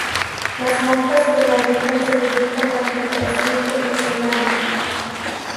Las monjas que lo habitan se dedican la decoración de porcelana.